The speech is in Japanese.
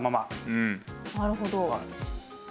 なるほど。